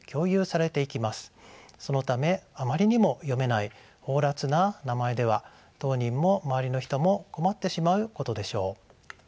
そのためあまりにも読めない放らつな名前では当人も周りの人も困ってしまうことでしょう。